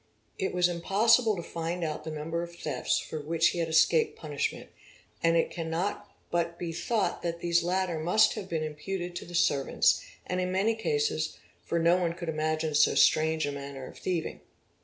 It was impossible to find out the number of thefts for which he had escaped punishment, and it cannot but be thought that these latter must have been imputed to the servants — in many cases, for no one could imagine so strange a manner of thieving.